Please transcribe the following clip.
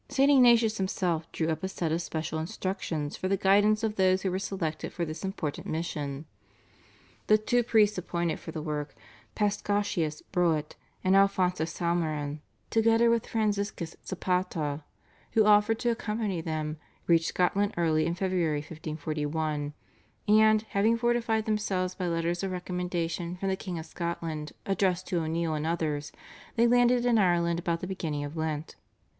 St. Ignatius himself drew up a set of special instructions for the guidance of those who were selected for this important mission. The two priests appointed for the work, Paschasius Broet and Alphonsus Salmeron, together with Franciscus Zapata who offered to accompany them, reached Scotland early in February 1541, and, having fortified themselves by letters of recommendation from the King of Scotland addressed to O'Neill and others, they landed in Ireland about the beginning of Lent.